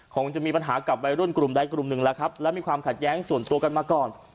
คงจะมีปัญหากับวัยรุ่นกลุ่มใดกลุ่มหนึ่งแล้วครับและมีความขัดแย้งส่วนตัวกันมาก่อน